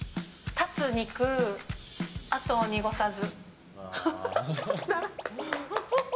立つ肉、跡を濁さず」。